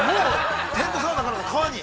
◆テントサウナから川に。